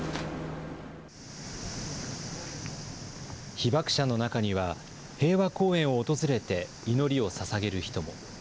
被爆者の中には、平和公園を訪れて祈りをささげる人も。